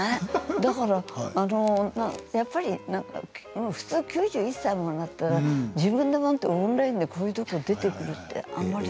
だからやっぱり普通９１歳にもなったら自分でオンラインでこんなところに出てくるってあんまり。